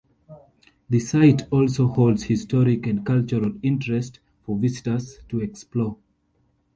The site also holds historic and cultural interest for visitors to explore.